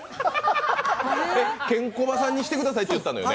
ケンコバさんにしてくださいって言ったのよね？